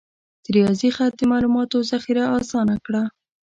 د ریاضي خط د معلوماتو ذخیره آسانه کړه.